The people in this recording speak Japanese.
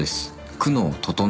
久能整」